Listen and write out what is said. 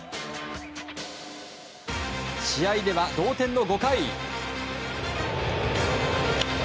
試合では同点の５回。